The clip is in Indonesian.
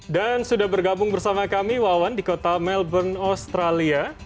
dan sudah bergabung bersama kami wawan di kota melbourne australia